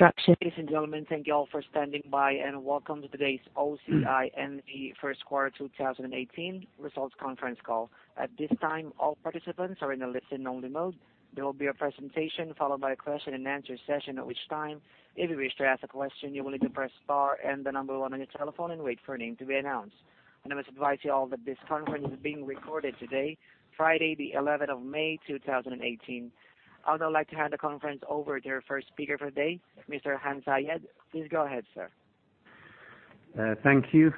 Ladies and gentlemen, thank you all for standing by, welcome to today's OCI N.V. first quarter 2018 results conference call. At this time, all participants are in a listen-only mode. There will be a presentation followed by a question and answer session, at which time, if you wish to ask a question, you will need to press star and the number 1 on your telephone and wait for your name to be announced. I must advise you all that this conference is being recorded today, Friday the 11th of May, 2018. I would now like to hand the conference over to our first speaker for the day, Mr. Hans Zayed. Please go ahead, sir. Thank you.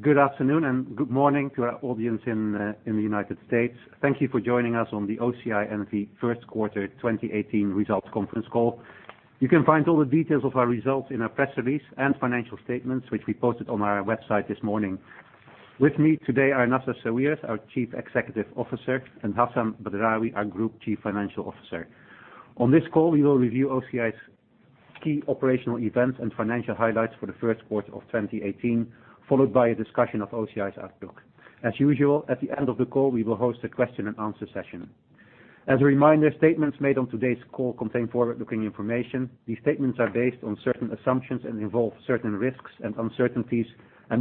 Good afternoon and good morning to our audience in the U.S. Thank you for joining us on the OCI N.V. first quarter 2018 results conference call. You can find all the details of our results in our press release and financial statements, which we posted on our website this morning. With me today are Nassef Sawiris, our Chief Executive Officer, and Hassan Badrawi, our Group Chief Financial Officer. On this call, we will review OCI's key operational events and financial highlights for the first quarter of 2018, followed by a discussion of OCI's outlook. As usual, at the end of the call, we will host a question and answer session. As a reminder, statements made on today's call contain forward-looking information. These statements are based on certain assumptions and involve certain risks and uncertainties,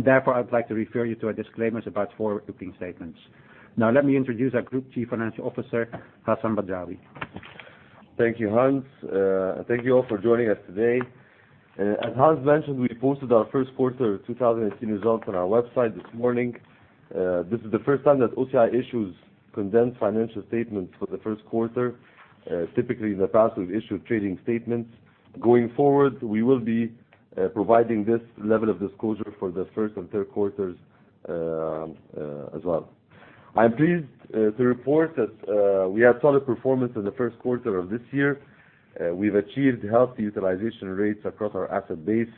therefore I would like to refer you to our disclaimers about forward-looking statements. Now let me introduce our Group Chief Financial Officer, Hassan Badrawi. Thank you, Hans. Thank you all for joining us today. As Hans mentioned, we posted our first quarter 2018 results on our website this morning. This is the first time that OCI issues condensed financial statements for the first quarter. Typically, in the past, we've issued trading statements. Going forward, we will be providing this level of disclosure for the first and third quarters as well. I am pleased to report that we had solid performance in the first quarter of this year. We've achieved healthy utilization rates across our asset base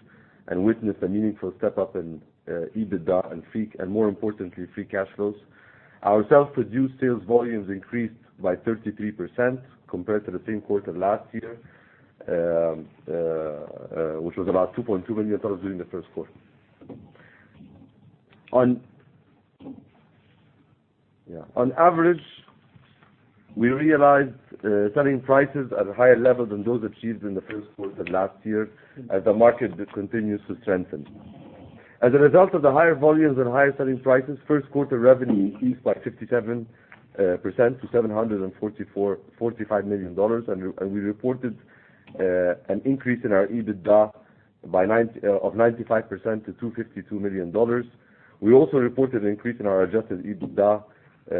and witnessed a meaningful step up in EBITDA and, more importantly, free cash flows. Our self-produced sales volumes increased by 33% compared to the same quarter last year, which was about $2.2 million during the first quarter. On average, we realized selling prices at a higher level than those achieved in the first quarter last year as the market continues to strengthen. As a result of the higher volumes and higher selling prices, first quarter revenue increased by 57% to $745 million, and we reported an increase in our EBITDA of 95% to $252 million. We also reported an increase in our adjusted EBITDA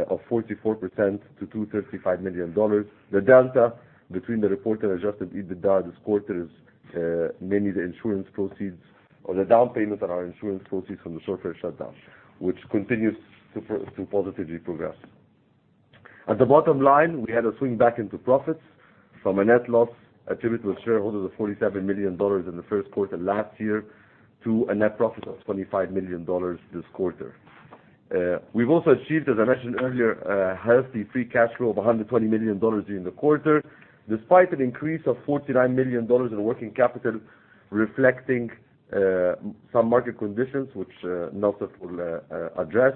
of 44% to $235 million. The delta between the reported adjusted EBITDA this quarter is mainly the insurance proceeds or the down payment on our insurance proceeds from the Sorfert shutdown, which continues to positively progress. At the bottom line, we had a swing back into profits from a net loss attributable to shareholders of $47 million in the first quarter last year to a net profit of $25 million this quarter. We've also achieved, as I mentioned earlier, a healthy free cash flow of $120 million during the quarter, despite an increase of $49 million in working capital, reflecting some market conditions, which Nassef will address.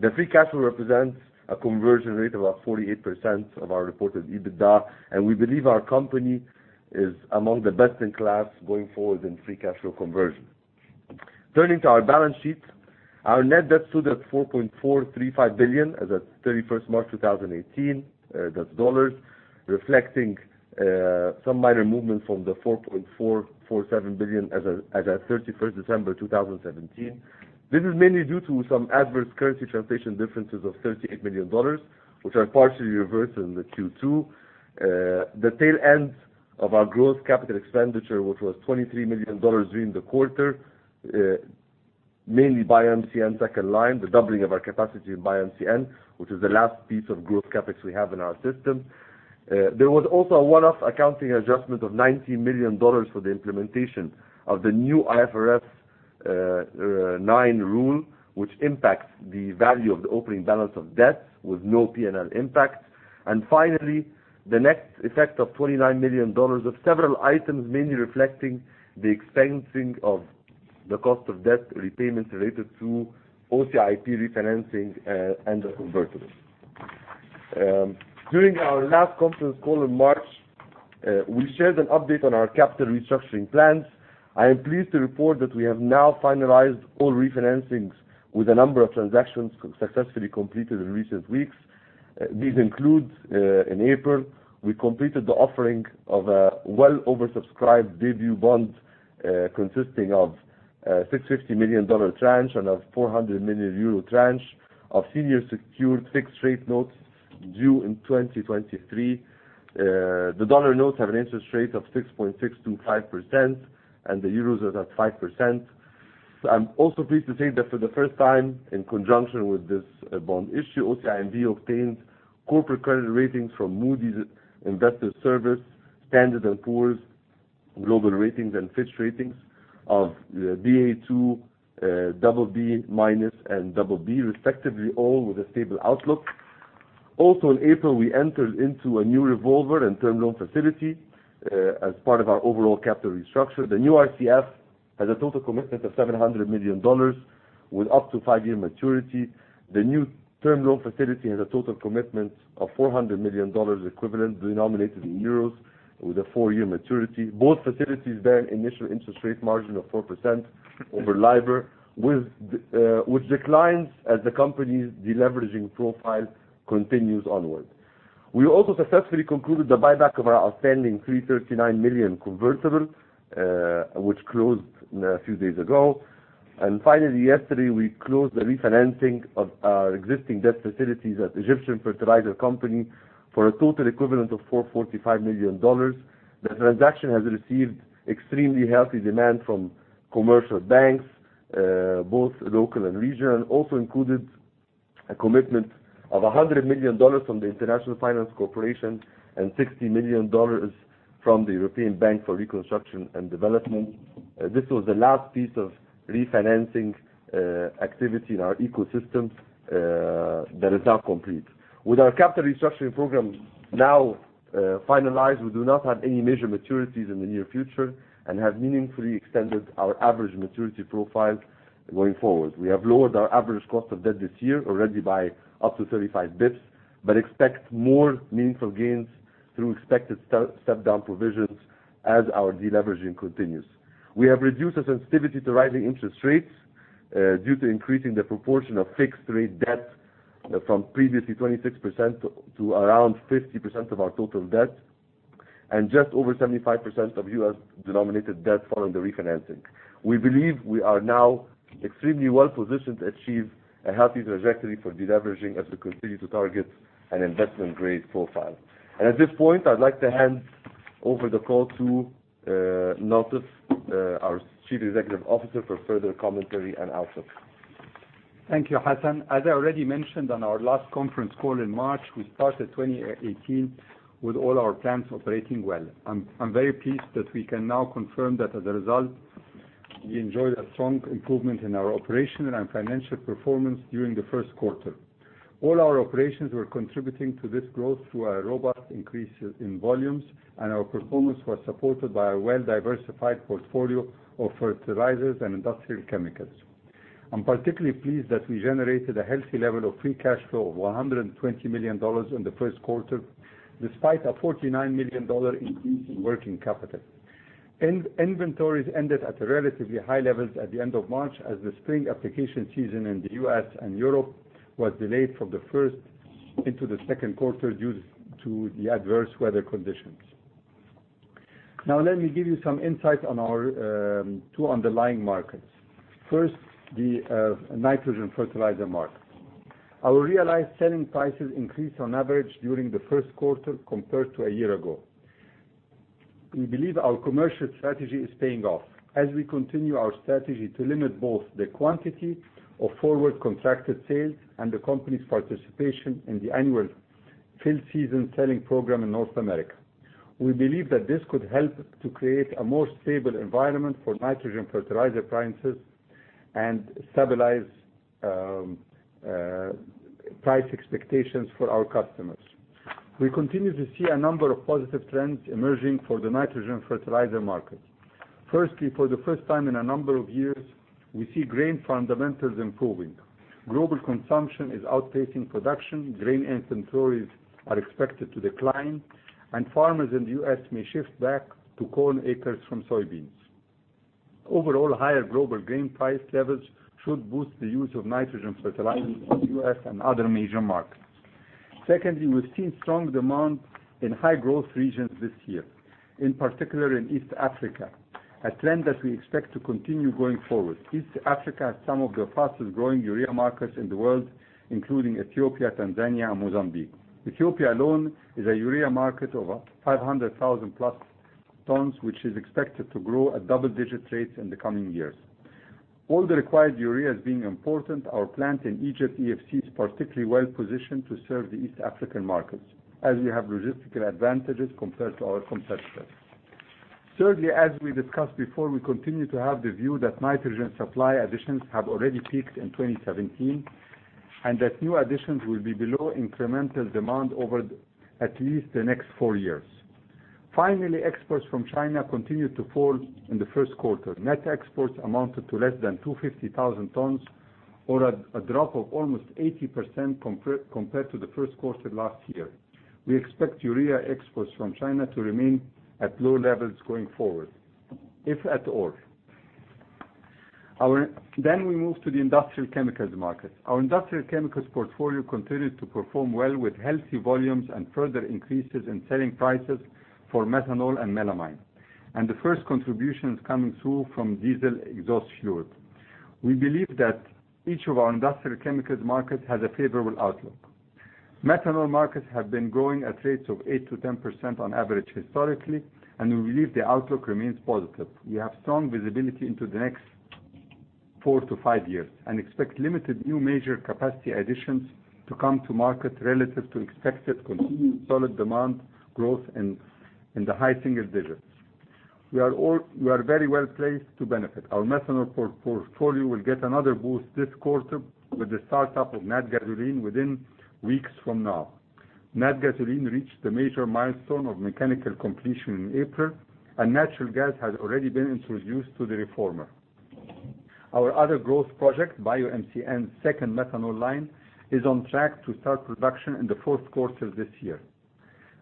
The free cash flow represents a conversion rate of about 48% of our reported EBITDA, and we believe our company is among the best in class going forward in free cash flow conversion. Turning to our balance sheet, our net debt stood at $4.435 billion as at 31st March 2018, reflecting some minor movement from the $4.447 billion as at 31st December 2017. This is mainly due to some adverse currency translation differences of $38 million, which are partially reversed in the Q2. The tail end of our gross capital expenditure, which was $23 million during the quarter, mainly by MCN second line, the doubling of our capacity by MCN, which is the last piece of growth CapEx we have in our system. There was also a one-off accounting adjustment of $90 million for the implementation of the new IFRS 9 rule, which impacts the value of the opening balance of debt with no P&L impact. Finally, the net effect of $29 million of several items, mainly reflecting the expensing of the cost of debt repayments related to OCIP refinancing and the convertibles. During our last conference call in March, we shared an update on our capital restructuring plans. I am pleased to report that we have now finalized all refinancings with a number of transactions successfully completed in recent weeks. These include, in April, we completed the offering of a well oversubscribed debut bond, consisting of a $650 million tranche and a 400 million euro tranche of senior secured fixed-rate notes due in 2023. The dollar notes have an interest rate of 6.625%, and the euros are at 5%. I'm also pleased to say that for the first time, in conjunction with this bond issue, OCI N.V. obtained corporate credit ratings from Moody's Investors Service, S&P Global Ratings, and Fitch Ratings of Ba2, BB- and BB, respectively, all with a stable outlook. Also in April, we entered into a new revolver and term loan facility as part of our overall capital restructure. The new RCF Has a total commitment of $700 million with up to five-year maturity. The new term loan facility has a total commitment of $400 million equivalent denominated in euros with a four-year maturity. Both facilities bear an initial interest rate margin of 4% over LIBOR, which declines as the company's deleveraging profile continues onward. We also successfully concluded the buyback of our outstanding $339 million convertible, which closed a few days ago. Finally, yesterday, we closed the refinancing of our existing debt facilities at Egyptian Fertilizer Company for a total equivalent of $445 million. The transaction has received extremely healthy demand from commercial banks, both local and regional, and also included a commitment of $100 million from the International Finance Corporation and $60 million from the European Bank for Reconstruction and Development. This was the last piece of refinancing activity in our ecosystem that is now complete. With our capital restructuring program now finalized, we do not have any major maturities in the near future and have meaningfully extended our average maturity profile going forward. We have lowered our average cost of debt this year already by up to 35 basis points, but expect more meaningful gains through expected step-down provisions as our deleveraging continues. We have reduced the sensitivity to rising interest rates due to increasing the proportion of fixed rate debt from previously 26% to around 50% of our total debt, and just over 75% of U.S.-denominated debt following the refinancing. We believe we are now extremely well-positioned to achieve a healthy trajectory for deleveraging as we continue to target an investment-grade profile. At this point, I'd like to hand over the call to Nassef, our Chief Executive Officer, for further commentary and outlook. Thank you, Hassan. As I already mentioned on our last conference call in March, we started 2018 with all our plants operating well. I'm very pleased that we can now confirm that as a result, we enjoyed a strong improvement in our operational and financial performance during the first quarter. All our operations were contributing to this growth through our robust increases in volumes, and our performance was supported by a well-diversified portfolio of fertilizers and industrial chemicals. I'm particularly pleased that we generated a healthy level of free cash flow of $120 million in the first quarter, despite a $49 million increase in working capital. Inventories ended at relatively high levels at the end of March as the spring application season in the U.S. and Europe was delayed from the first into the second quarter due to the adverse weather conditions. Now, let me give you some insight on our two underlying markets. First, the nitrogen fertilizer market. Our realized selling prices increased on average during the first quarter compared to a year ago. We believe our commercial strategy is paying off as we continue our strategy to limit both the quantity of forward contracted sales and the company's participation in the annual field season selling program in North America. We believe that this could help to create a more stable environment for nitrogen fertilizer prices and stabilize price expectations for our customers. We continue to see a number of positive trends emerging for the nitrogen fertilizer market. Firstly, for the first time in a number of years, we see grain fundamentals improving. Global consumption is outpacing production. Grain inventories are expected to decline, and farmers in the U.S. may shift back to corn acres from soybeans. Overall, higher global grain price levels should boost the use of nitrogen fertilizers in the U.S. and other major markets. Secondly, we've seen strong demand in high-growth regions this year, in particular in East Africa, a trend that we expect to continue going forward. East Africa has some of the fastest-growing urea markets in the world, including Ethiopia, Tanzania, and Mozambique. Ethiopia alone is a urea market of 500,000-plus tons, which is expected to grow at double-digit rates in the coming years. All the required urea is being imported. Our plant in Egypt, EFC, is particularly well-positioned to serve the East African markets as we have logistical advantages compared to our competitors. Thirdly, as we discussed before, we continue to have the view that nitrogen supply additions have already peaked in 2017, and that new additions will be below incremental demand over at least the next four years. Finally, exports from China continued to fall in the first quarter. Net exports amounted to less than 250,000 tons or a drop of almost 80% compared to the first quarter last year. We expect urea exports from China to remain at low levels going forward, if at all. We move to the industrial chemicals market. Our industrial chemicals portfolio continued to perform well with healthy volumes and further increases in selling prices for methanol and melamine, and the first contributions coming through from diesel exhaust fluid. We believe that each of our industrial chemicals markets has a favorable outlook. Methanol markets have been growing at rates of 8% to 10% on average historically, and we believe the outlook remains positive. We have strong visibility into the next four to five years and expect limited new major capacity additions to come to market relative to expected continued solid demand growth in the high single digits. We are very well placed to benefit. Our methanol portfolio will get another boost this quarter with the startup of Natgasoline within weeks from now. Natgasoline reached the major milestone of mechanical completion in April, and natural gas has already been introduced to the reformer. Our other growth project, BioMCN's second methanol line, is on track to start production in the fourth quarter of this year.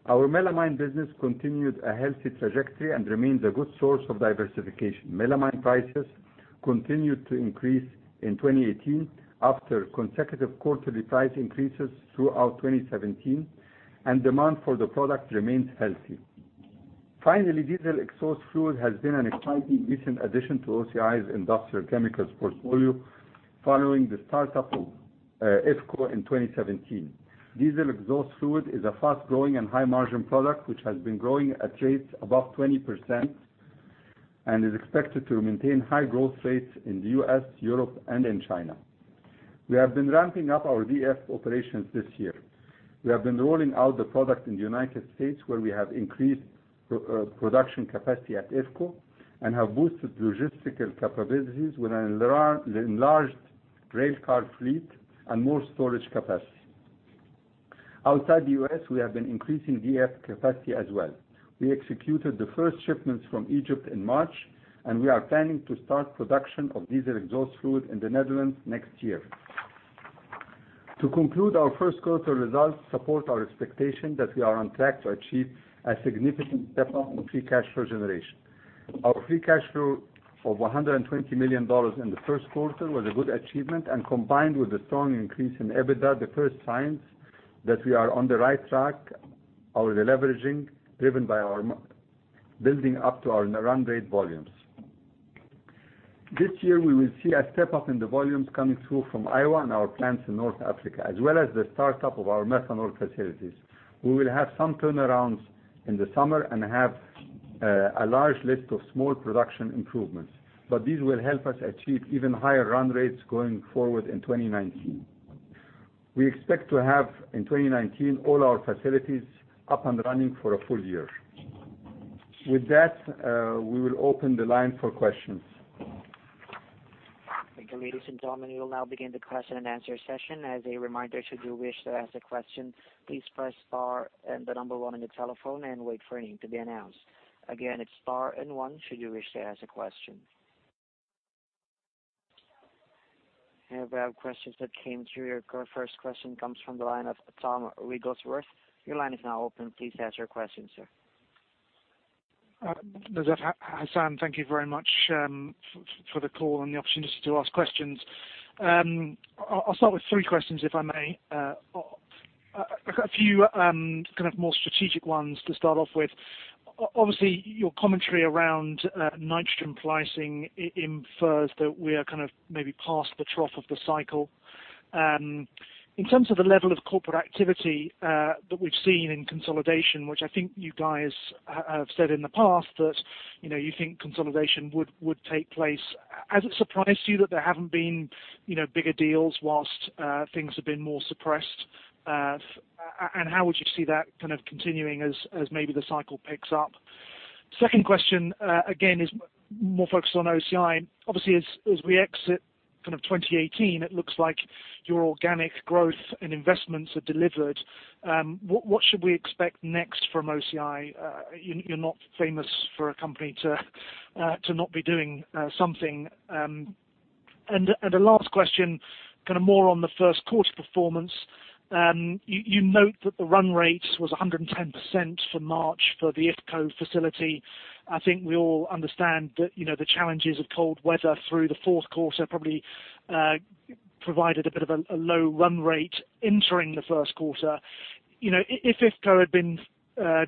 Our melamine business continued a healthy trajectory and remains a good source of diversification. Melamine prices continued to increase in 2018 after consecutive quarterly price increases throughout 2017, and demand for the product remains healthy. Finally, diesel exhaust fluid has been an exciting recent addition to OCI's industrial chemicals portfolio, following the start-up of IFCO in 2017. Diesel exhaust fluid is a fast-growing and high-margin product, which has been growing at rates above 20% and is expected to maintain high growth rates in the U.S., Europe, and in China. We have been ramping up our DF operations this year. We have been rolling out the product in the United States, where we have increased production capacity at IFCO and have boosted logistical capabilities with an enlarged rail car fleet and more storage capacity. Outside the U.S., we have been increasing DF capacity as well. We executed the first shipments from Egypt in March, and we are planning to start production of diesel exhaust fluid in the Netherlands next year. To conclude, our first quarter results support our expectation that we are on track to achieve a significant step up in free cash flow generation. Our free cash flow of $120 million in the first quarter was a good achievement, and combined with the strong increase in EBITDA, the first signs that we are on the right track, our deleveraging, driven by our building up to our run rate volumes. This year, we will see a step up in the volumes coming through from Iowa and our plants in North Africa, as well as the start-up of our methanol facilities. We will have some turnarounds in the summer and have a large list of small production improvements. These will help us achieve even higher run rates going forward in 2019. We expect to have, in 2019, all our facilities up and running for a full year. With that, we will open the line for questions. Thank you, ladies and gentlemen. We will now begin the question and answer session. As a reminder, should you wish to ask a question, please press star and the number 1 on your telephone and wait for your name to be announced. Again, it's star and 1 should you wish to ask a question. We have questions that came through. Our first question comes from the line of Tom Wrigglesworth. Your line is now open. Please ask your question, sir. Hassan, thank you very much for the call and the opportunity to ask questions. I'll start with three questions, if I may. A few kind of more strategic ones to start off with. Obviously, your commentary around nitrogen pricing infers that we are kind of maybe past the trough of the cycle. In terms of the level of corporate activity that we've seen in consolidation, which I think you guys have said in the past that you think consolidation would take place, has it surprised you that there haven't been bigger deals whilst things have been more suppressed? How would you see that continuing as maybe the cycle picks up? Second question, again, is more focused on OCI. Obviously, as we exit 2018, it looks like your organic growth and investments have delivered. What should we expect next from OCI? You're not famous for a company to not be doing something. The last question, more on the first quarter performance. You note that the run rate was 110% for March for the IFCO facility. I think we all understand that the challenges of cold weather through the fourth quarter probably provided a bit of a low run rate entering the first quarter. If IFCO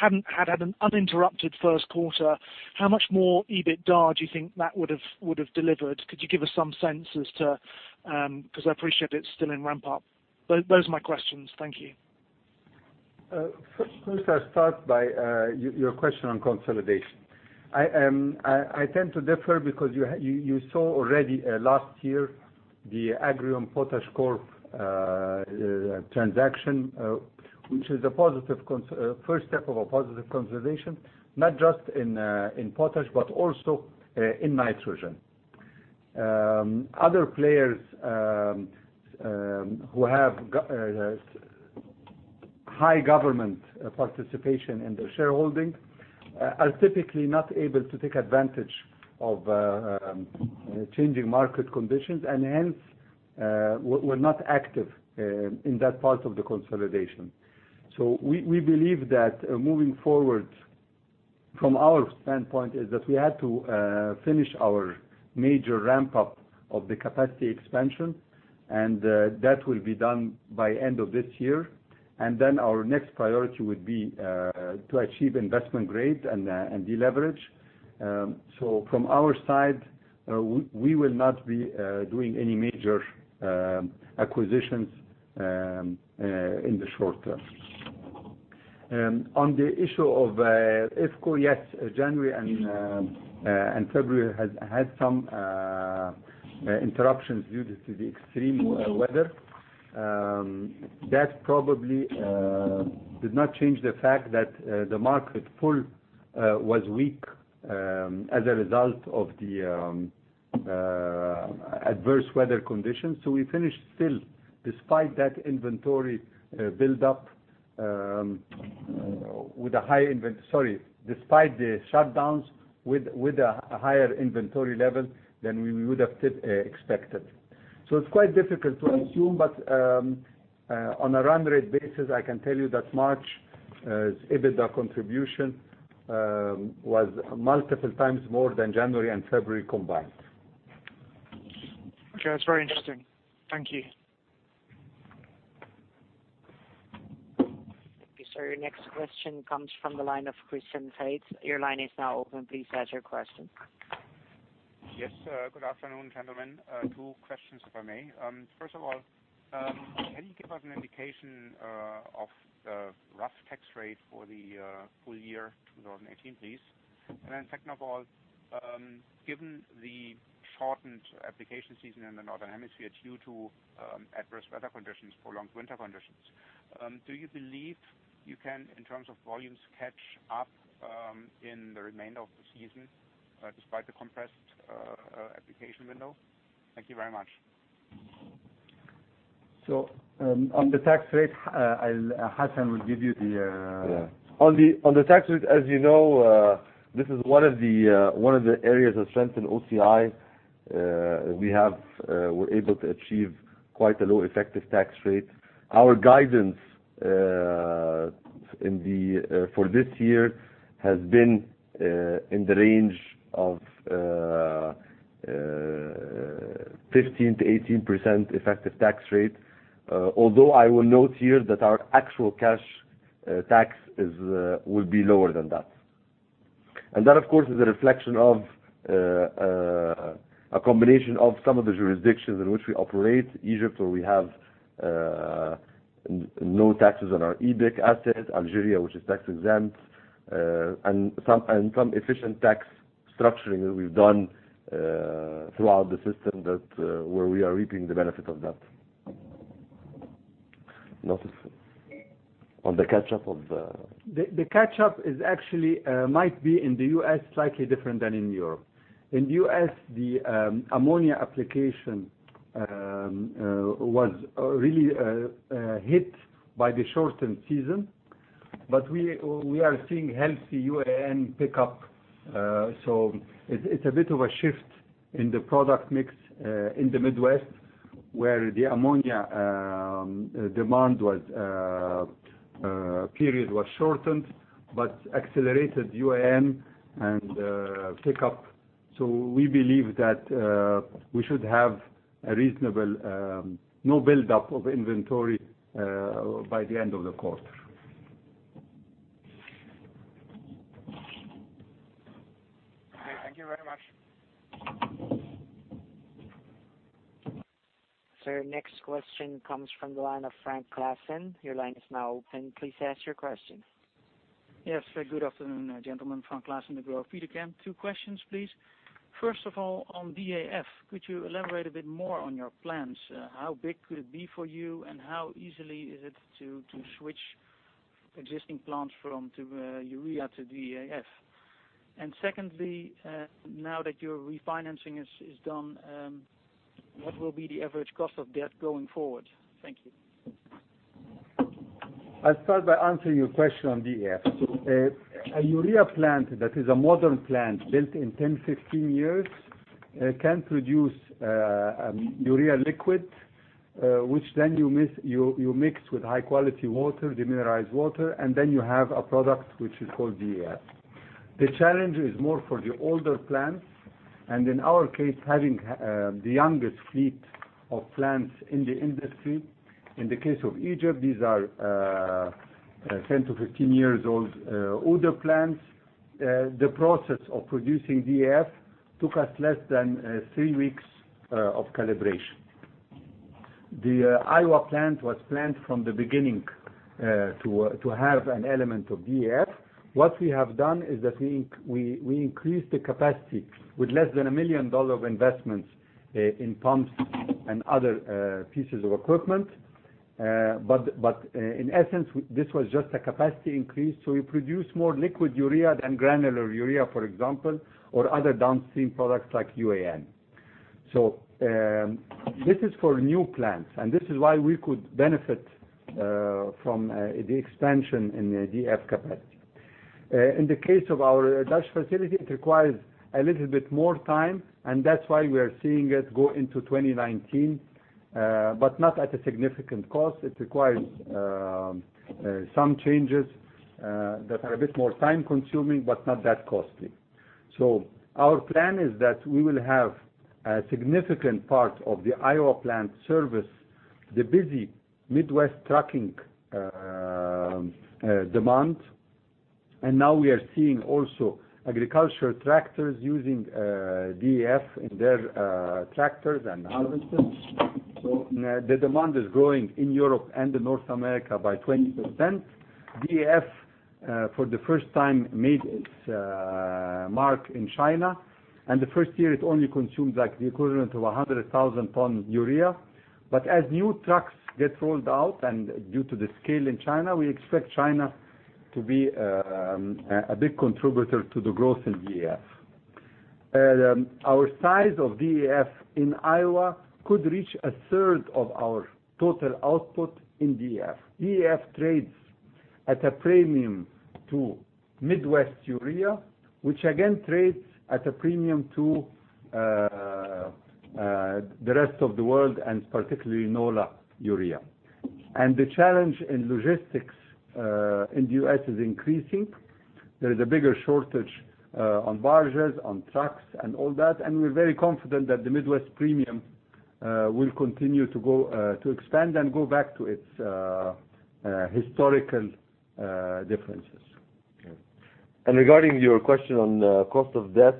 hadn't had an uninterrupted first quarter, how much more EBITDA do you think that would have delivered? Could you give us some sense as to Because I appreciate it's still in ramp-up. Those are my questions. Thank you. First, I'll start by your question on consolidation. I tend to differ because you saw already last year the Agrium PotashCorp transaction, which is the first step of a positive consolidation, not just in potash but also in nitrogen. Other players who have high government participation in their shareholding are typically not able to take advantage of changing market conditions, and hence, were not active in that part of the consolidation. We believe that moving forward from our standpoint is that we had to finish our major ramp-up of the capacity expansion, and that will be done by end of this year. Then our next priority would be to achieve investment grade and deleverage. From our side, we will not be doing any major acquisitions in the short term. On the issue of IFCO, yes, January and February had some interruptions due to the extreme weather. That probably did not change the fact that the market pull was weak as a result of the adverse weather conditions. We finished still, despite the shutdowns, with a higher inventory level than we would have expected. It's quite difficult to assume. On a run rate basis, I can tell you that March's EBITDA contribution was multiple times more than January and February combined. Okay. That's very interesting. Thank you. Thank you. Sir, your next question comes from the line of Christian Faitz. Your line is now open. Please ask your question. Yes. Good afternoon, gentlemen. Two questions, if I may. First of all, can you give us an indication of the rough tax rate for the full year 2018, please? Second of all, given the shortened application season in the Northern Hemisphere due to adverse weather conditions, prolonged winter conditions, do you believe you can, in terms of volumes, catch up in the remainder of the season despite the compressed application window? Thank you very much. On the tax rate, Hassan will give you. Yeah. On the tax rate, as you know, this is one of the areas of strength in OCI. We're able to achieve quite a low effective tax rate. Our guidance for this year has been in the range of 15%-18% effective tax rate. Although I will note here that our actual cash tax will be lower than that. That, of course, is a reflection of a combination of some of the jurisdictions in which we operate. Egypt, where we have no taxes on our EBIC assets, Algeria, which is tax exempt, and some efficient tax structuring that we've done throughout the system where we are reaping the benefit of that. Notice on the catch-up of. The catch-up is actually might be in the U.S. slightly different than in Europe. In the U.S., the ammonia application was really hit by the shortened season. We are seeing healthy UAN pickup. It's a bit of a shift in the product mix in the Midwest where the ammonia demand period was shortened but accelerated UAN and pick up. We believe that we should have a reasonable no buildup of inventory by the end of the quarter. Okay. Thank you very much. Sir, next question comes from the line of Frank Claassen. Your line is now open. Please ask your question. Yes. Good afternoon, gentlemen. Frank Claassen, Degroof Petercam. Two questions, please. First of all, on DEF, could you elaborate a bit more on your plans? How big could it be for you, and how easily is it to switch existing plants from urea to DEF? Secondly, now that your refinancing is done, what will be the average cost of debt going forward? Thank you. I'll start by answering your question on DEF. A urea plant that is a modern plant built in 10, 15 years can produce a urea liquid, which then you mix with high-quality water, demineralized water, and then you have a product which is called DEF. The challenge is more for the older plants, and in our case, having the youngest fleet of plants in the industry. In the case of Egypt, these are 10 to 15-years-old older plants. The process of producing DEF took us less than three weeks of calibration. The Iowa plant was planned from the beginning to have an element of DEF. What we have done is that we increased the capacity with less than $1 million of investments in pumps and other pieces of equipment. In essence, this was just a capacity increase. We produce more liquid urea than granular urea, for example, or other downstream products like UAN. This is for new plants, and this is why we could benefit from the expansion in the DEF capacity. In the case of our Dutch facility, it requires a little bit more time, and that's why we are seeing it go into 2019 but not at a significant cost. It requires some changes that are a bit more time-consuming but not that costly. Our plan is that we will have a significant part of the Iowa plant service the busy Midwest trucking demand. Now we are seeing also agricultural tractors using DEF in their tractors and harvesters. The demand is growing in Europe and in North America by 20%. DEF for the first time made its mark in China, the first year it only consumed the equivalent of 100,000 ton urea. As new trucks get rolled out and due to the scale in China, we expect China to be a big contributor to the growth in DEF. Our size of DEF in Iowa could reach a third of our total output in DEF. DEF trades at a premium to Midwest urea, which again trades at a premium to the rest of the world, and particularly NOLA urea. The challenge in logistics in the U.S. is increasing. There is a bigger shortage on barges, on trucks and all that, and we're very confident that the Midwest premium will continue to expand and go back to its historical differences. Okay. Regarding your question on cost of debt,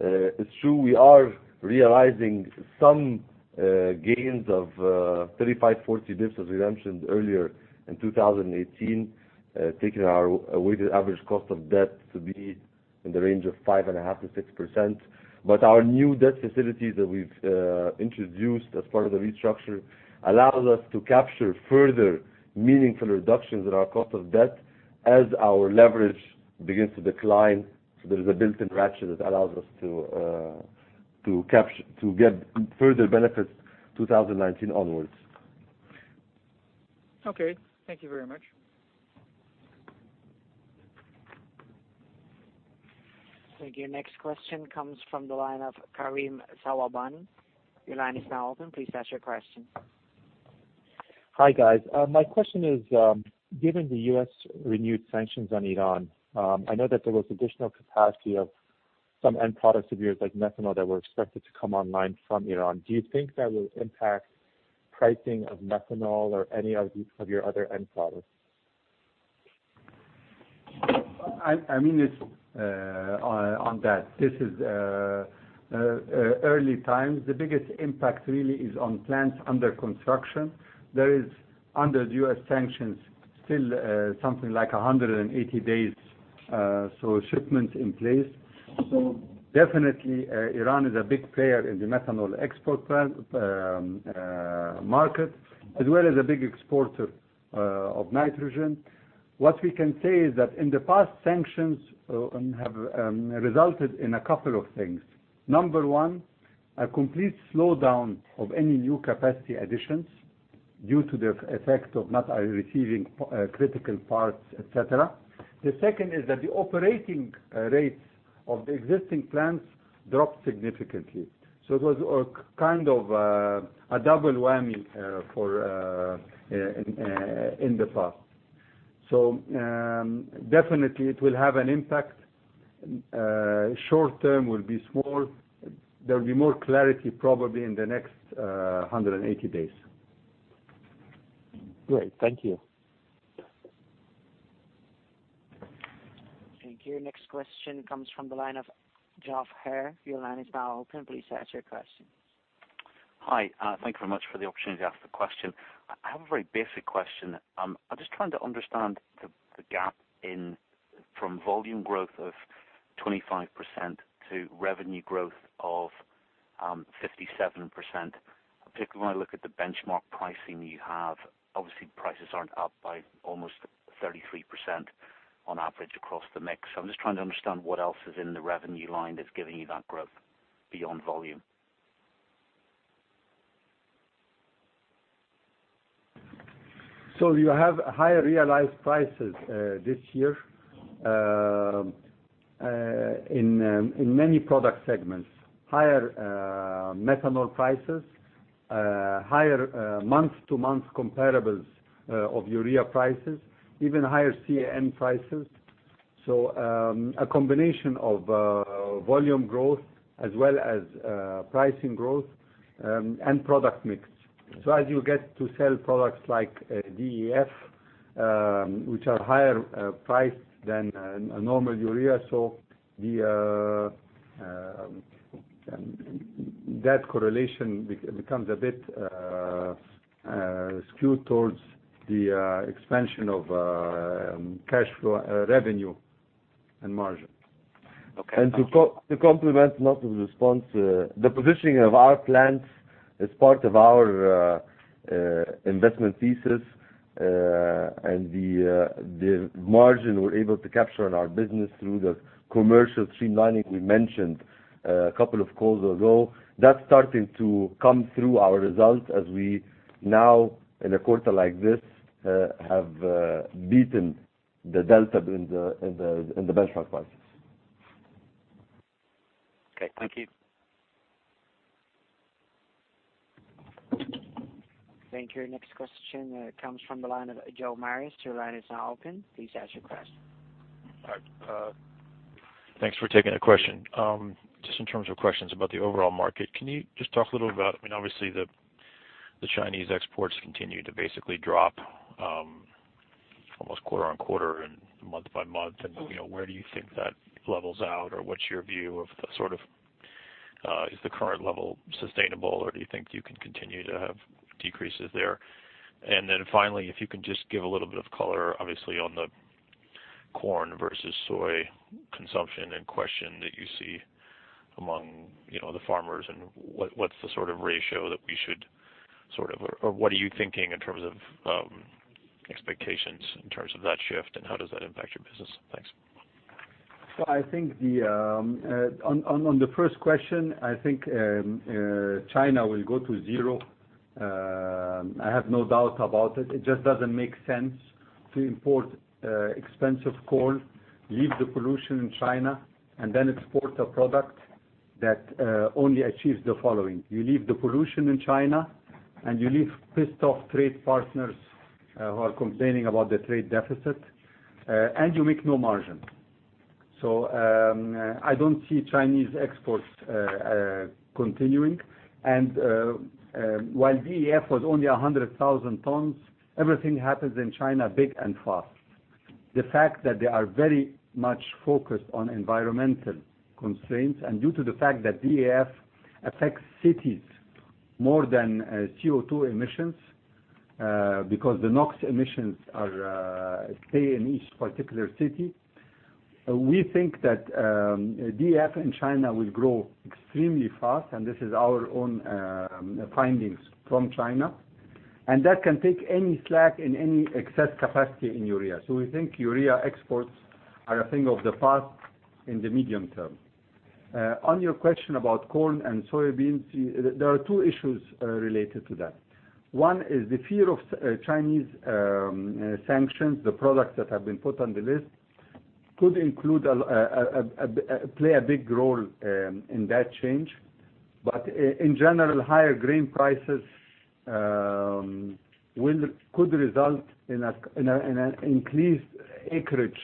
it's true we are realizing some gains of 35, 40 bps, as we mentioned earlier, in 2018, taking our weighted average cost of debt to be in the range of 5.5%-6%. Our new debt facility that we've introduced as part of the restructure, allows us to capture further meaningful reductions in our cost of debt as our leverage begins to decline. There is a built-in ratchet that allows us to get further benefits 2019 onwards. Okay. Thank you very much. Thank you. Next question comes from the line of Karim Sawabini. Your line is now open. Please ask your question. Hi, guys. My question is, given the U.S. renewed sanctions on Iran, I know that there was additional capacity of some end products of yours, like methanol, that were expected to come online from Iran. Do you think that will impact pricing of methanol or any of your other end products? [Amin] is on that. This is early times. The biggest impact really is on plants under construction. There is, under the U.S. sanctions, still something like 180 days, so shipments in place. Definitely, Iran is a big player in the methanol export market, as well as a big exporter of nitrogen. What we can say is that in the past, sanctions have resulted in a couple of things. Number one, a complete slowdown of any new capacity additions due to the effect of not receiving critical parts, et cetera. The second is that the operating rates of the existing plants dropped significantly. It was a double whammy in the past. Definitely it will have an impact. Short term will be small. There will be more clarity probably in the next 180 days. Great. Thank you. Thank you. Next question comes from the line of Jeff Herr. Your line is now open. Please ask your question. Hi. Thank you very much for the opportunity to ask the question. I have a very basic question. I am just trying to understand the gap from volume growth of 25% to revenue growth of 57%, particularly when I look at the benchmark pricing you have, obviously prices are not up by almost 33% on average across the mix. I am just trying to understand what else is in the revenue line that is giving you that growth beyond volume. You have higher realized prices this year in many product segments. Higher methanol prices, higher month-to-month comparables of urea prices, even higher CAN prices. A combination of volume growth as well as pricing growth and product mix. As you get to sell products like DEF, which are higher priced than a normal urea, that correlation becomes a bit skewed towards the expansion of cash flow, revenue, and margin. Okay. To complement Nassef's response, the positioning of our plants as part of our investment thesis, and the margin we're able to capture in our business through the commercial streamlining we mentioned a couple of calls ago, that's starting to come through our results as we now, in a quarter like this, have beaten the delta in the benchmark prices. Okay, thank you. Thank you. Next question comes from the line of Joe Marius. Your line is now open. Please ask your question. Hi. Thanks for taking the question. Just in terms of questions about the overall market, can you just talk a little about, obviously the Chinese exports continue to basically drop almost quarter-on-quarter and month-by-month, and where do you think that levels out or what's your view of the Is the current level sustainable, or do you think you can continue to have decreases there? Then finally, if you can just give a little bit of color, obviously, on the corn versus soy consumption and question that you see among the farmers and what's the sort of ratio that we or what are you thinking in terms of expectations, in terms of that shift, and how does that impact your business? Thanks. On the first question, I think China will go to zero. I have no doubt about it. It just doesn't make sense to import expensive corn, leave the pollution in China, and then export a product that only achieves the following: You leave the pollution in China, and you leave pissed off trade partners who are complaining about the trade deficit, and you make no margin. I don't see Chinese exports continuing. While DEF was only 100,000 tons, everything happens in China big and fast. The fact that they are very much focused on environmental constraints, and due to the fact that DEF affects cities more than CO2 emissions because the NOx emissions stay in each particular city, we think that DEF in China will grow extremely fast, and this is our own findings from China. That can take any slack and any excess capacity in urea. We think urea exports are a thing of the past in the medium term. On your question about corn and soybeans, there are two issues related to that. One is the fear of Chinese sanctions. The products that have been put on the list could play a big role in that change. In general, higher grain prices could result in an increased acreage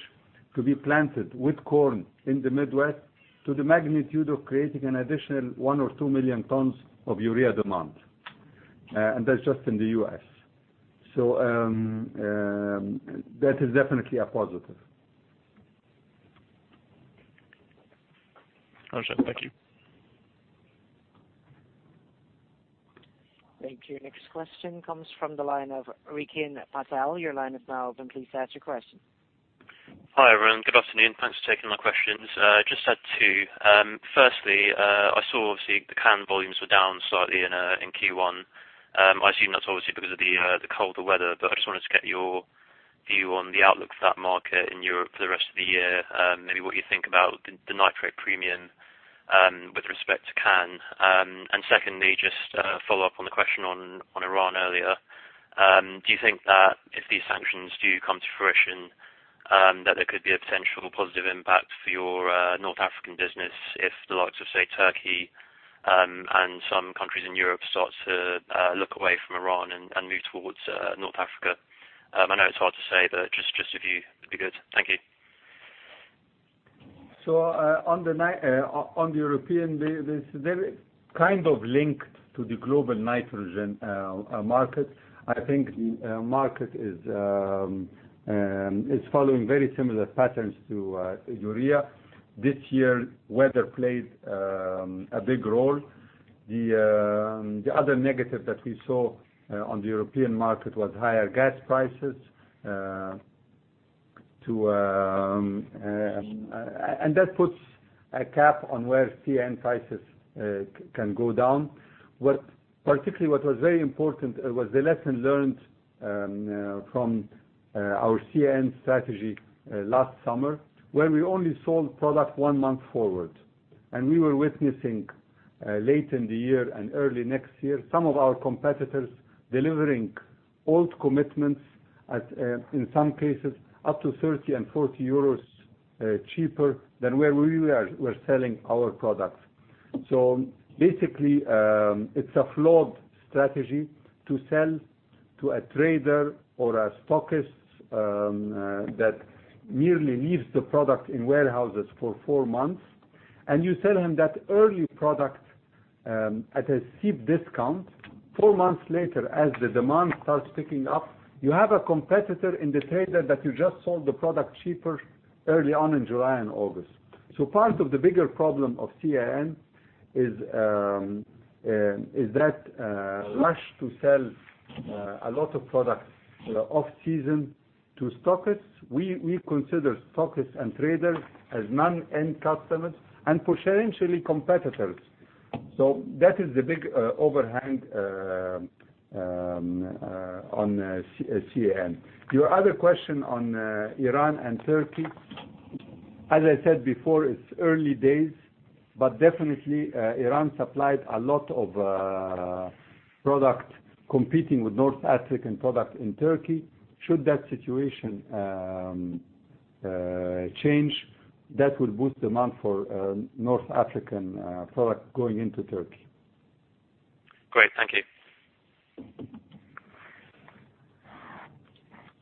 to be planted with corn in the Midwest to the magnitude of creating an additional one or two million tons of urea demand. That's just in the U.S. That is definitely a positive. Got you. Thank you. Thank you. Next question comes from the line of Rikin Patel. Your line is now open. Please ask your question. Hi, everyone. Good afternoon. Thanks for taking my questions. I just had two. Firstly, I saw, obviously, the CAN volumes were down slightly in Q1. I assume that's obviously because of the colder weather. I just wanted to get your view on the outlook for that market in Europe for the rest of the year, maybe what you think about the nitrate premium with respect to CAN. Secondly, just a follow-up on the question on Iran earlier. Do you think that if these sanctions do come to fruition, that there could be a potential positive impact for your North African business if the likes of, say, Turkey, and some countries in Europe start to look away from Iran and move towards North Africa? I know it's hard to say, but just a view would be good. Thank you. On the European, they're kind of linked to the global nitrogen market. I think the market is following very similar patterns to urea. This year, weather played a big role. The other negative that we saw on the European market was higher gas prices, and that puts a cap on where CAN prices can go down. Particularly, what was very important was the lesson learned from our CAN strategy last summer, where we only sold product one month forward. We were witnessing, late in the year and early next year, some of our competitors delivering old commitments, in some cases up to 30 and 40 euros cheaper than where we were selling our products. Basically, it's a flawed strategy to sell to a trader or a stockist that merely leaves the product in warehouses for four months. You sell him that early product at a steep discount. Four months later, as the demand starts picking up, you have a competitor in the trader that you just sold the product cheaper early on in July and August. Part of the bigger problem of CAN is that rush to sell a lot of products off-season to stockists. We consider stockists and traders as non-end customers and potentially competitors. That is the big overhang on CAN. Your other question on Iran and Turkey, as I said before, it's early days. Definitely, Iran supplied a lot of product competing with North African product in Turkey. Should that situation change, that will boost demand for North African product going into Turkey. Great. Thank you.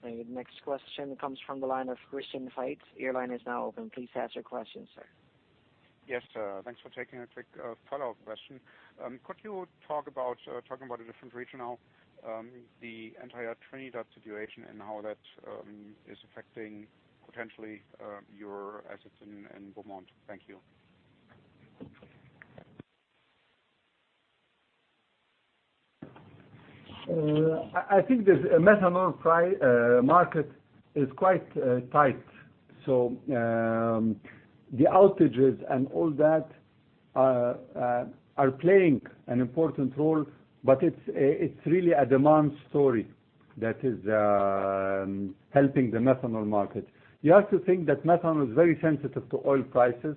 The next question comes from the line of Christian Faitz. Your line is now open. Please ask your question, sir. Yes. Thanks for taking a quick follow-up question. Could you talk about, talking about a different region now, the entire Trinidad situation and how that is affecting, potentially, your assets in Beaumont? Thank you. I think the methanol market is quite tight. The outages and all that are playing an important role, but it's really a demand story that is helping the methanol market. You have to think that methanol is very sensitive to oil prices.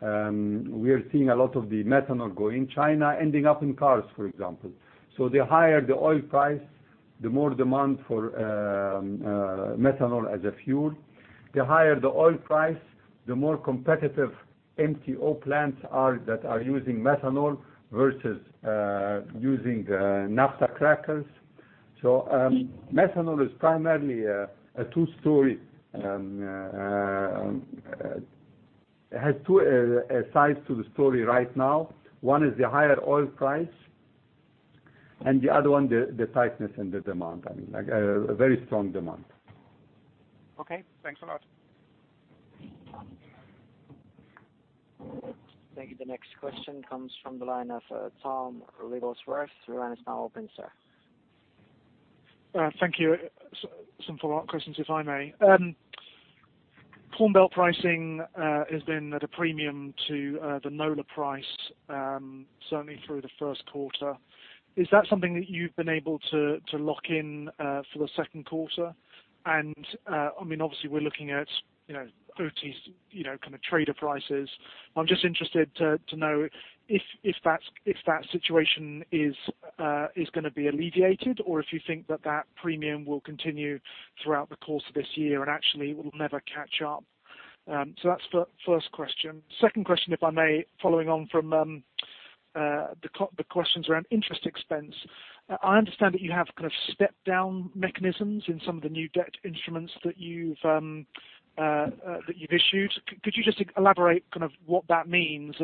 We are seeing a lot of the methanol go in China ending up in cars, for example. The higher the oil price, the more demand for methanol as a fuel. The higher the oil price, the more competitive MTO plants are that are using methanol versus using naphtha crackers. Methanol primarily has two sides to the story right now. One is the higher oil price, and the other one, the tightness and the demand. I mean, a very strong demand. Okay, thanks a lot. Thank you. The next question comes from the line of Tom Wrigglesworth. Your line is now open, sir. Thank you. Some follow-up questions, if I may. Corn Belt pricing has been at a premium to the NOLA price, certainly through the first quarter. Is that something that you've been able to lock in for the second quarter? Obviously, we're looking at OTC, kind of trader prices. I'm just interested to know if that situation is going to be alleviated or if you think that that premium will continue throughout the course of this year and actually will never catch up. That's the first question. Second question, if I may, following on from the questions around interest expense. I understand that you have kind of stepped-down mechanisms in some of the new debt instruments that you've issued. Could you just elaborate what that means?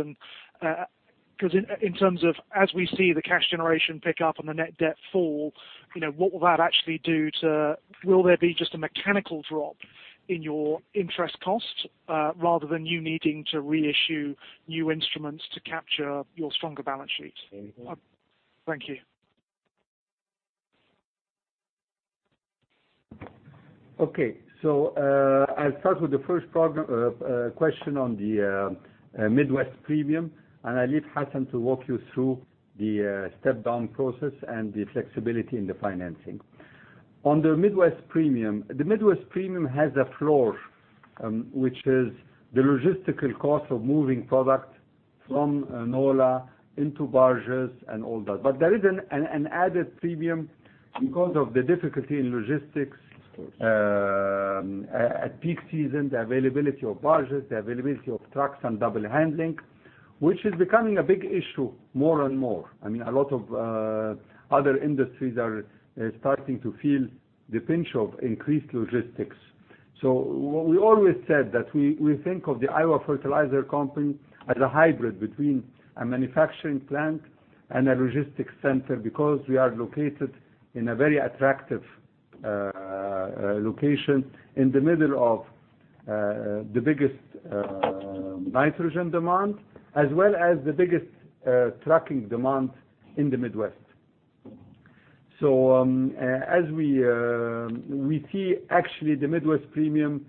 As we see the cash generation pick up and the net debt fall, will there be just a mechanical drop in your interest cost, rather than you needing to reissue new instruments to capture your stronger balance sheets? Thank you. Okay. I'll start with the first question on the Midwest premium, and I'll leave Hassan to walk you through the step-down process and the flexibility in the financing. On the Midwest premium, the Midwest premium has a floor, which is the logistical cost of moving product from NOLA into barges and all that. There is an added premium because of the difficulty in logistics at peak season, the availability of barges, the availability of trucks and double handling, which is becoming a big issue more and more. I mean, a lot of other industries are starting to feel the pinch of increased logistics. We always said that we think of the Iowa Fertilizer Company as a hybrid between a manufacturing plant and a logistics center because we are located in a very attractive location in the middle of the biggest nitrogen demand, as well as the biggest trucking demand in the Midwest. We see actually the Midwest premium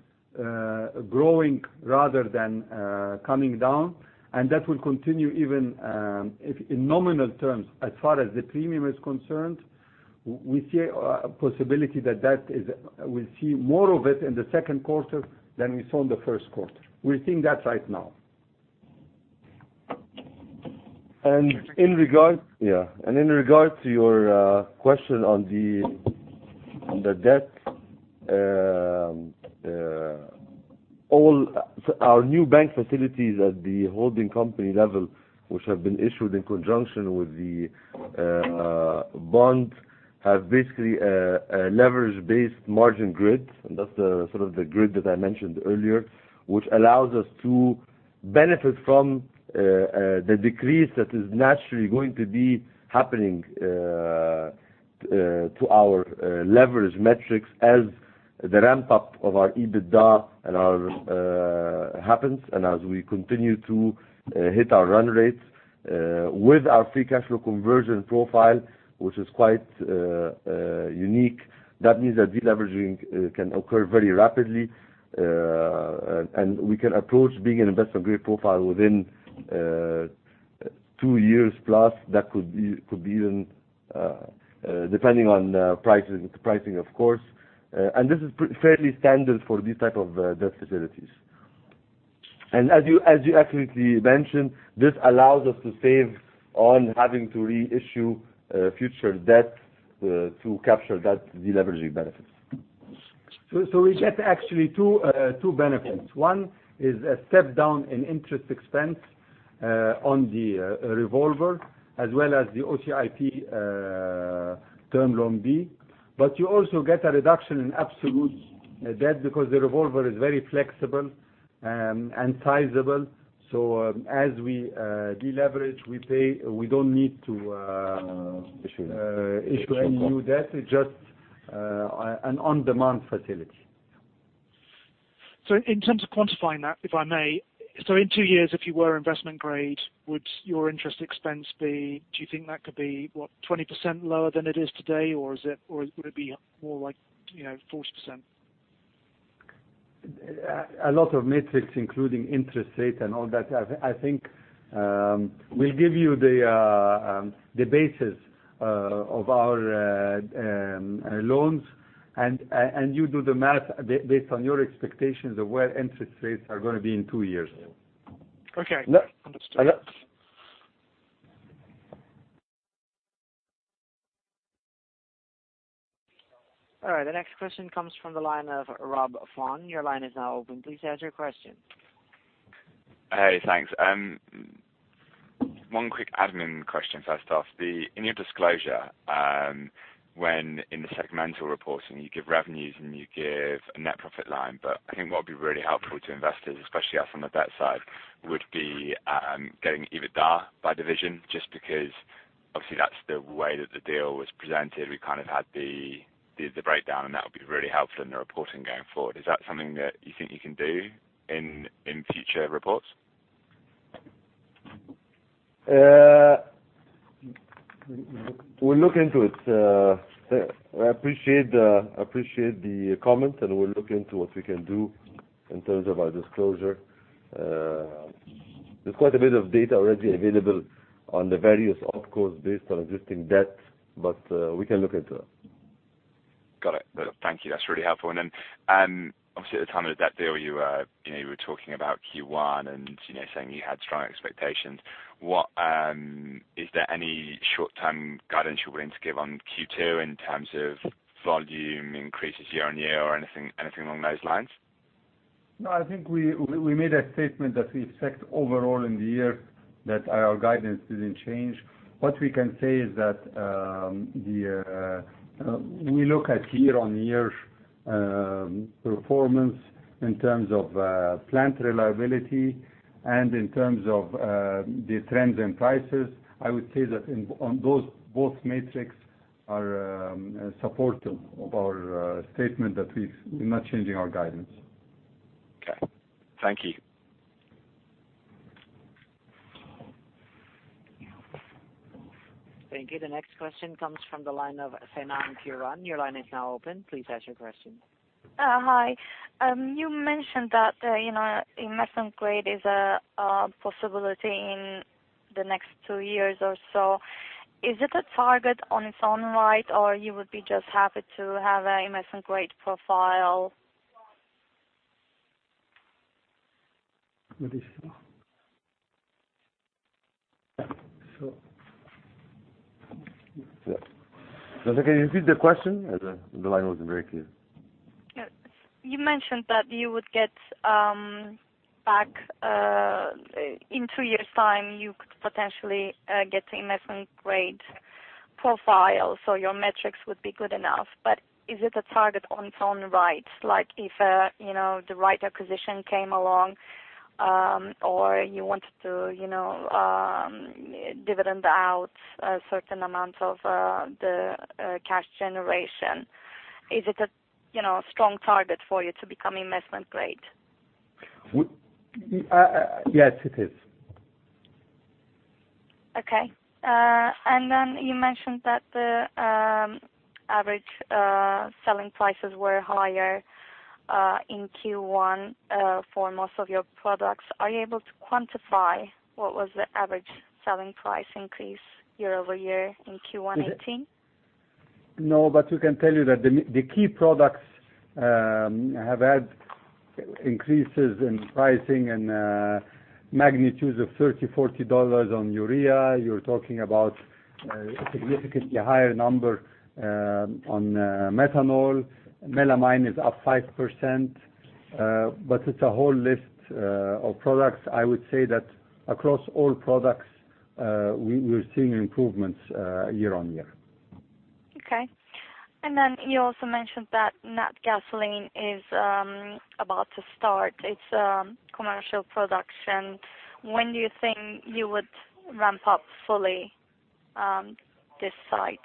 growing rather than coming down. That will continue even if in nominal terms, as far as the premium is concerned, we see a possibility that we will see more of it in the second quarter than we saw in the first quarter. We are seeing that right now. In regard to your question on the debt. All our new bank facilities at the holding company level, which have been issued in conjunction with the bond, have basically a leverage-based margin grid. That is the sort of the grid that I mentioned earlier, which allows us to benefit from the decrease that is naturally going to be happening to our leverage metrics as the ramp-up of our EBITDA happens and as we continue to hit our run rates with our free cash flow conversion profile, which is quite unique. That means that deleveraging can occur very rapidly, and we can approach being an investment-grade profile within two years plus, that could be even depending on pricing, of course. This is fairly standard for these type of debt facilities. As you accurately mentioned, this allows us to save on having to reissue future debt to capture that deleveraging benefit. We get actually two benefits. One is a step down in interest expense on the revolver as well as the OCIP term loan B. You also get a reduction in absolute debt because the revolver is very flexible and sizable. As we deleverage, we do not need to issue any new debt. It is just an on-demand facility. In terms of quantifying that, if I may. In two years, if you were investment grade, would your interest expense be, do you think that could be, what? 20% lower than it is today? Or would it be more like 40%? A lot of metrics, including interest rate and all that, I think we'll give you the basis of our loans and you do the math based on your expectations of where interest rates are going to be in two years. Okay. Understood. All right, the next question comes from the line of Rob Fong. Your line is now open. Please ask your question. Hey, thanks. One quick admin question first off. In your disclosure, when in the segmental reports you give revenues and you give a net profit line, I think what would be really helpful to investors, especially us on the debt side, would be getting EBITDA by division, just because obviously that's the way that the deal was presented. We kind of had the breakdown, that would be really helpful in the reporting going forward. Is that something that you think you can do in future reports? We'll look into it. I appreciate the comment, we'll look into what we can do in terms of our disclosure. There's quite a bit of data already available on the various opcos based on existing debt, we can look into it. Got it. Thank you. That's really helpful. Obviously at the time of the debt deal, you were talking about Q1 and saying you had strong expectations. Is there any short-term guidance you're willing to give on Q2 in terms of volume increases year-on-year or anything along those lines? No, I think we made a statement that the effect overall in the year that our guidance didn't change. What we can say is that, we look at year-on-year performance in terms of plant reliability and in terms of the trends and prices. I would say that on both metrics are supportive of our statement that we're not changing our guidance. Okay. Thank you. Thank you. The next question comes from the line of Senan Kiran. Your line is now open. Please ask your question. Hi. You mentioned that investment grade is a possibility in the next two years or so. Is it a target on its own right, or you would be just happy to have an investment grade profile? Can you repeat the question? The line wasn't very clear. You mentioned that you would get back in two years time, you could potentially get to investment grade profile, so your metrics would be good enough. Is it a target on its own right, like if the right acquisition came along, or you wanted to dividend out a certain amount of the cash generation? Is it a strong target for you to become investment grade? Yes, it is. Okay. You mentioned that the average selling prices were higher in Q1 for most of your products. Are you able to quantify what was the average selling price increase year-over-year in Q1 2018? No, we can tell you that the key products have had increases in pricing and magnitudes of $30, $40 on urea. You're talking about a significantly higher number on methanol. Melamine is up 5%. It's a whole list of products. I would say that across all products, we're seeing improvements year-on-year. Okay. You also mentioned that Natgasoline is about to start its commercial production. When do you think you would ramp up fully this site?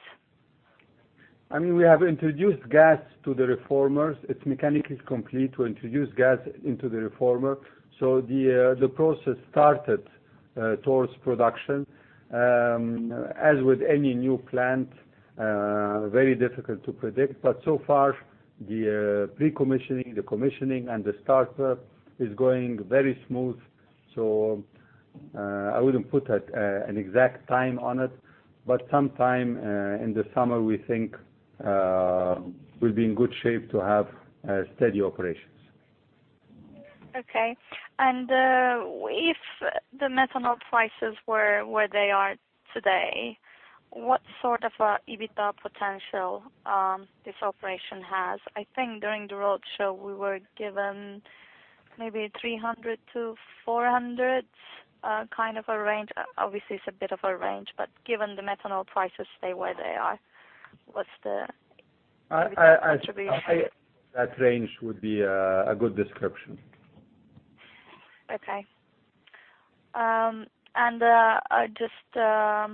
We have introduced gas to the reformers. It's mechanically complete to introduce gas into the reformer. The process started towards production. As with any new plant, very difficult to predict, but so far the pre-commissioning, the commissioning and the startup is going very smooth. I wouldn't put an exact time on it, but sometime in the summer, we think we'll be in good shape to have steady operations. Okay. If the methanol prices were where they are today, what sort of a EBITDA potential this operation has? I think during the roadshow, we were given maybe $300-$400 kind of a range. Obviously, it's a bit of a range, but given the methanol prices stay where they are, what's the contribution? That range would be a good description. Okay. Just the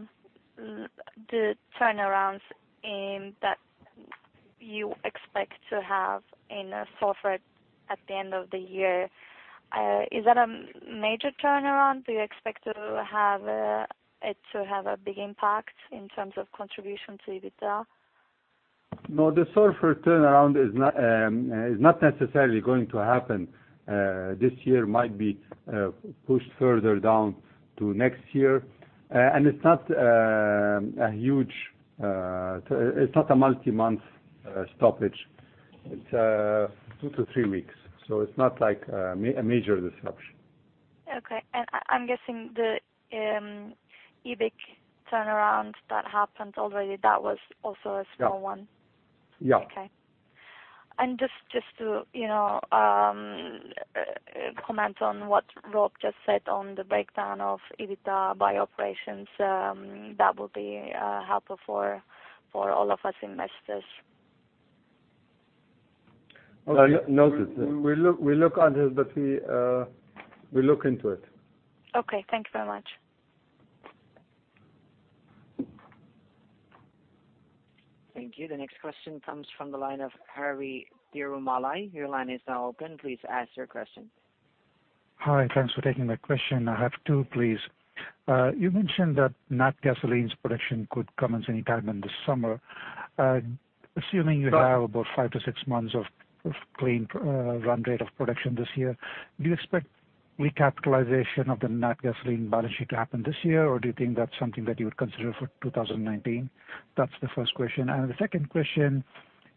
turnarounds that you expect to have in Sorfert at the end of the year, is that a major turnaround? Do you expect it to have a big impact in terms of contribution to EBITDA? No, the Sorfert turnaround is not necessarily going to happen this year. Might be pushed further down to next year. It's not a multi-month stoppage. It's two to three weeks. It's not a major disruption. Okay. I'm guessing the EBIC turnaround that happened already, that was also a small one. Yeah. Okay. Just to comment on what Rob just said on the breakdown of EBITDA by operations, that would be helpful for all of us investors. Okay. We look into it. Okay. Thank you so much. Thank you. The next question comes from the line of Hari Tirumalai. Your line is now open. Please ask your question. Hi, thanks for taking my question. I have two, please. You mentioned that Natgasoline's production could commence any time in the summer. Assuming you have about five to six months of clean run rate of production this year, do you expect recapitalization of the Natgasoline balance sheet to happen this year? Or do you think that's something that you would consider for 2019? That's the first question. The second question,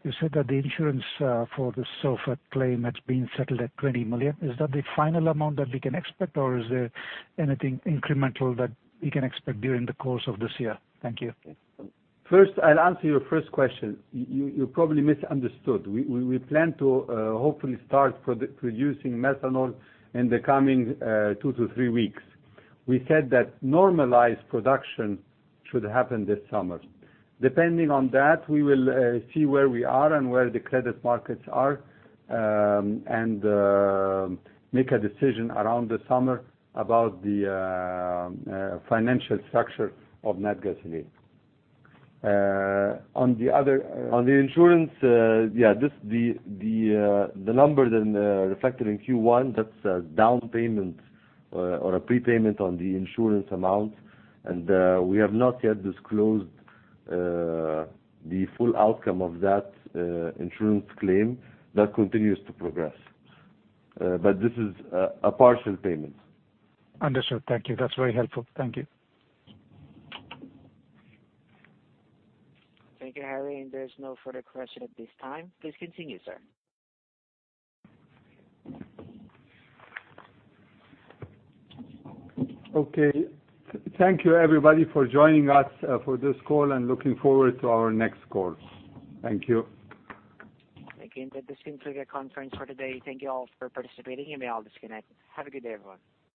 you said that the insurance for the Sorfert claim that's been settled at $20 million, is that the final amount that we can expect, or is there anything incremental that we can expect during the course of this year? Thank you. First, I'll answer your first question. You probably misunderstood. We plan to hopefully start producing methanol in the coming two to three weeks. We said that normalized production should happen this summer. Depending on that, we will see where we are and where the credit markets are, and make a decision around the summer about the financial structure of Natgasoline. On the insurance, the numbers reflected in Q1, that's a down payment or a prepayment on the insurance amount, and we have not yet disclosed the full outcome of that insurance claim. That continues to progress. This is a partial payment. Understood. Thank you. That's very helpful. Thank you. Thank you, Hari. There's no further question at this time. Please continue, sir. Okay. Thank you, everybody, for joining us for this call, and looking forward to our next call. Thank you. Thank you. That does conclude our conference for today. Thank you all for participating. You may all disconnect. Have a good day, everyone.